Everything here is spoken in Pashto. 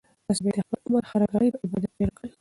تاسو باید د خپل عمر هره ګړۍ په عبادت تېره کړئ.